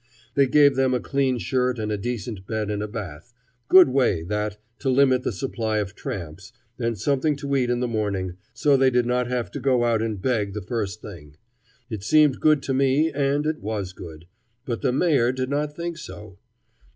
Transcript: They gave them a clean shirt and a decent bed and a bath good way, that, to limit the supply of tramps and something to eat in the morning, so they did not have to go out and beg the first thing. It seemed good to me, and it was good. But the Mayor did not think so.